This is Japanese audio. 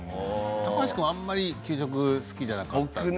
高橋君はあまり給食が好きじゃなかったよね。